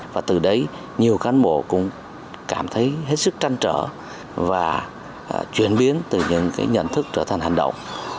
và từ đấy nhiều cán bộ cũng cảm thấy hết sức trăn trở và chuyển biến từ những cái nhận thức trở thành hành động